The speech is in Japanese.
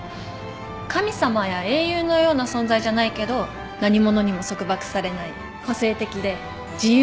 神様や英雄のような存在じゃないけど何者にも束縛されない個性的で自由の象徴。